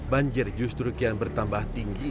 banjir justru kian bertambah tinggi